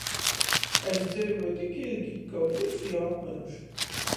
Es dzeivoju tik iļgi, ka vysi jau apmyruši.